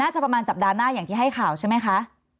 จะประมาณสัปดาห์หน้าอย่างที่ให้ข่าวใช่ไหมคะ